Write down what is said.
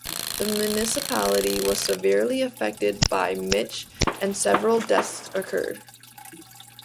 The municipality was severely affected by Mitch and several deaths occurred.